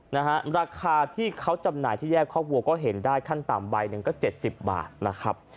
นะฮะราคาที่เขาจำหน่ายที่แยกคอกวัวก็เห็นได้ขั้นต่ำใบหนึ่งก็เจ็ดสิบบาทนะครับ